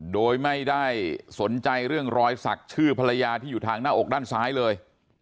โดยไม่ได้สนใจเรื่องรอยสักชื่อภรรยาที่อยู่ทางหน้าอกด้านซ้ายเลย